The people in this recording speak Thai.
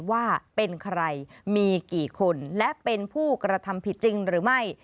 ว่าเป็นใครมีกี่คนและเป็นผู้กระทำผิดจริงหรือไม่